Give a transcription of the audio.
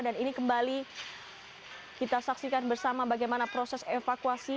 dan ini kembali kita saksikan bersama bagaimana proses evakuasi